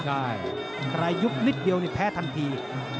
ใช่ใครยุบนิดเดียวนี่แพ้ทันที